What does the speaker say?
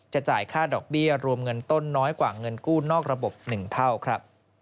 จ่ายค่าดอกเบี้ยรวมเงินต้นน้อยกว่าเงินกู้นอกระบบ๑เท่าครับ